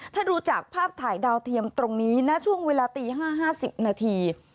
ถ้าดูจากภาพถ่ายดาวเทียมตรงนี้ณช่วงเวลาตี๕๕๐นาที